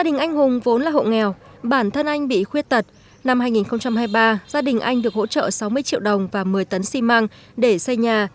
năm hai nghìn hai mươi ba gia đình anh được hỗ trợ sáu mươi triệu đồng và một mươi tấn xi măng để xây nhà